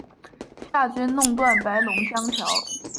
夏军弄断白龙江桥。